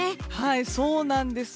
そうなんです。